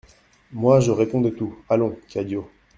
Moi, je réponds de tout, allons ! CADIO.